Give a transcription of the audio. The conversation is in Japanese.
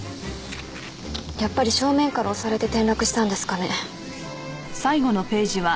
やっぱり正面から押されて転落したんですかね。